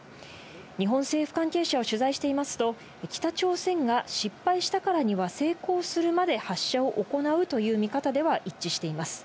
日本政府関係者を取材していますと、北朝鮮が失敗したからには、成功するまで発射を行うという見方では一致しています。